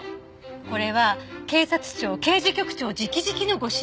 これは警察庁刑事局長直々のご指名でもあります。